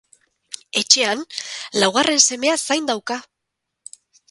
Etxean, laugarren semea zain dauka.